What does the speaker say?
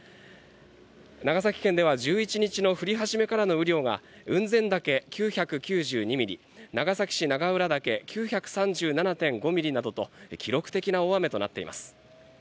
長崎県では１１日の降り始めからの雨量が雲仙岳９９２ミリ、長崎市長浦岳９３７．５ミリなどと記録的な大雨となっています。